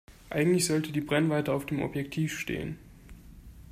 Eigentlich sollte die Brennweite auf dem Objektiv stehen.